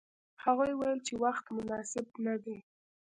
هغوی ویل چې وخت مناسب نه دی.